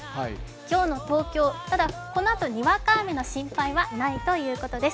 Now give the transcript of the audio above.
今日の東京、ただこのあとにわか雨の心配はないということです。